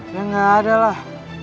ya gak ada lah